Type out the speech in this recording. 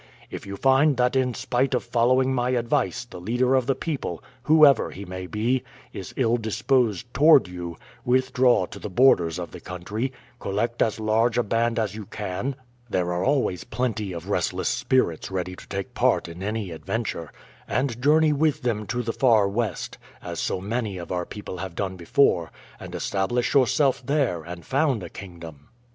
If you find that in spite of following my advice the leader of the people, whoever he may be, is ill disposed toward you, withdraw to the borders of the country, collect as large a band as you can there are always plenty of restless spirits ready to take part in any adventure and journey with them to the far west, as so many of our people have done before, and establish yourself there and found a kingdom.